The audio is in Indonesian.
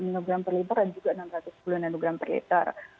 enam ratus dua puluh ng per liter dan juga enam ratus sepuluh ng per liter